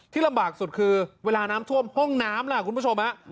ลำบากสุดคือเวลาน้ำท่วมห้องน้ำล่ะคุณผู้ชมฮะ